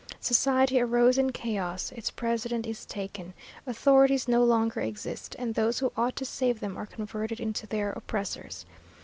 Society arose in chaos. Its president is taken. Authorities no longer exist, and those who ought to save them are converted into their oppressors.